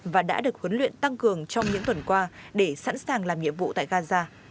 và đã được huấn luyện tăng cường trong những tuần qua để sẵn sàng làm nhiệm vụ tại gaza